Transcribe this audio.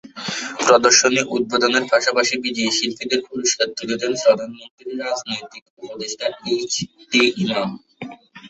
প্রদর্শনী উদ্বোধনের পাশাপাশি বিজয়ী শিল্পীদের পুরস্কার তুলে দেন প্রধানমন্ত্রীর রাজনৈতিক উপদেষ্টা এইচ টি ইমাম।